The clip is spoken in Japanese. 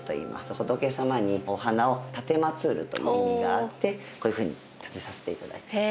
「仏様にお花を奉る」という意味があってこういうふうに立てさせて頂いています。